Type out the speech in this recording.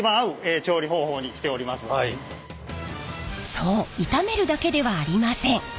そう炒めるだけではありません。